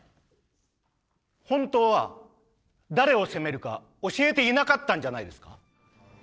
本当は誰を攻めるか教えていなかったんじゃないですか？